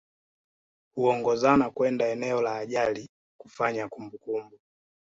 Huongozana kwenda eneo la ajali kufanya kumbukumbu